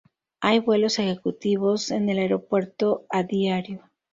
Hay vuelos ejecutivos en el aeropuerto a diario.